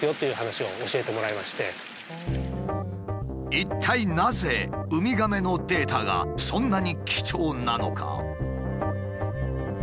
一体なぜウミガメのデータがそんなに貴重なのか？